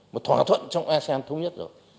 mà thỏa thuận trong asean thống nhất rồi